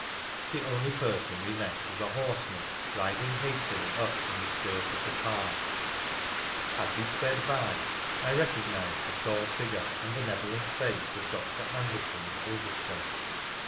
The only person we met was a horseman, riding hastily up from the skirt of the park. As he sped by, I recognised the tall figure and benevolent face of Dr. Anderson, of Ulverstone.